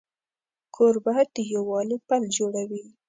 کوربه د یووالي پل جوړوي.